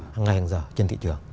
hằng ngày hằng giờ trên thị trường